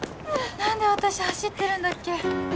何で私走ってるんだっけ